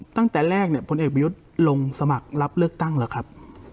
ตั้งแต่แรกผลเอกประยุทธิ์ลงสมัครรับเลิกตั้งหรือครับ